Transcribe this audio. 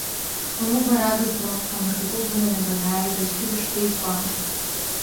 Ыы бара агызмал, амыркатыл быманы банааиз аӡәгьы бышԥаизгәамҭеи…